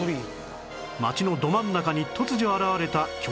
街のど真ん中に突如現れた巨大な穴